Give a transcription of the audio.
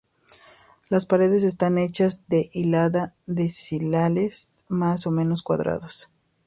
Las paredes están hechas de hiladas de sillares más o menos cuadrados.